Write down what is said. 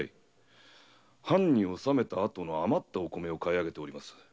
藩に納めた後の余ったお米を買い上げております。